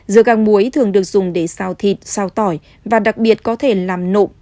dưa găng muối thường được dùng để xào thịt xào tỏi và đặc biệt có thể làm nộm